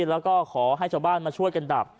แล้วก็ขอให้ชาวบ้านมาช่วยกันดับ